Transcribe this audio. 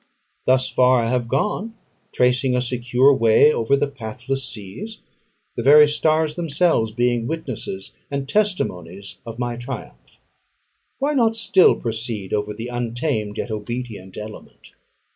Thus far I have gone, tracing a secure way over the pathless seas: the very stars themselves being witnesses and testimonies of my triumph. Why not still proceed over the untamed yet obedient element?